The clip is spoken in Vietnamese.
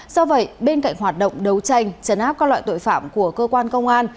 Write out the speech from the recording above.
do vậy bên cạnh hoạt động đấu tranh chấn áp các loại tội phạm của cơ quan công an